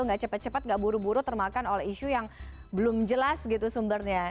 nggak cepat cepat gak buru buru termakan oleh isu yang belum jelas gitu sumbernya